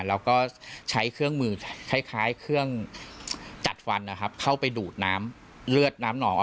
แล้วก็ใช้เครื่องมือคล้ายเครื่องจัดฟันนะครับเข้าไปดูดน้ำเลือดน้ำหน่อ